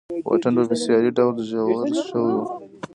واټن په بېساري ډول ژور شوی و.